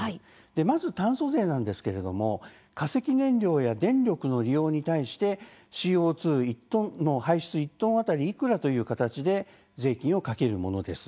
まず炭素税なんですが化石燃料や電力の利用に対してＣＯ２の排出１トン当たりいくらという形で税金をかけるものです。